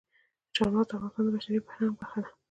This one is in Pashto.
چار مغز د افغانستان د بشري فرهنګ برخه ده.